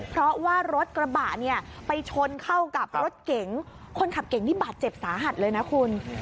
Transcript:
เพราะว่ารถกระบะเนี่ยไปชนเข้ากับรถเก๋งคนขับเก่งนี่บาดเจ็บสาหัสเลยนะคุณ